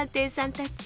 たち！